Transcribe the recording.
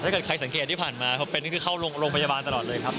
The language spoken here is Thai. ถ้าเกิดใครสังเกตที่ผ่านมาพอเป็นนี่คือเข้าโรงพยาบาลตลอดเลยครับ